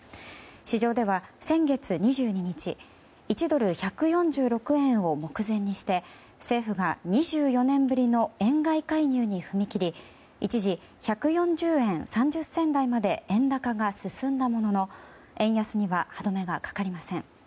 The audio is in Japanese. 市場では、先月２２日１ドル＝１４６円を目前にして政府が２４年ぶりの円買い介入に踏み切り一時１４０円３０銭台まで円高が進んだものの円安には歯止めがかかりません。